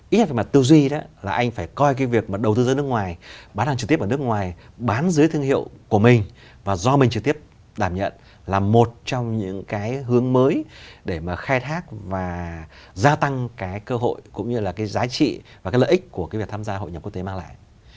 ít nhất về mặt tư duy là anh phải coi cái việc mà đầu tư ra nước ngoài bán hàng trực tiếp ở nước ngoài bán dưới thương hiệu của mình và do mình trực tiếp đảm nhận là một trong những cái hướng mới để mà khai thác và gia tăng cái cơ hội cũng như là cái giá trị và cái lợi ích của cái việc tham gia hội nhập quốc tế mang lại